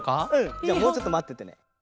じゃあもうちょっとまっててね。